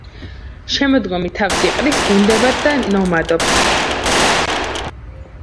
შემოდგომით თავს იყრის გუნდებად და ნომადობს.